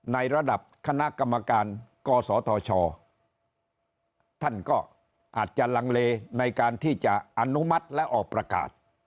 ในระดับคณะกรรมการกศธชท่านก็อาจจะลังเลในการที่จะอนุมัติและออกประกาศ